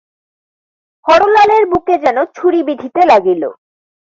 হরলালের বুকে যেন ছুরি বিঁধিতে লাগিল।